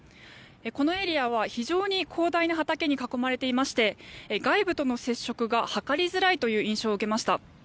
このエリアは非常に広大な畑に囲まれていまして外部との接触が図りづらいという印象を受けました。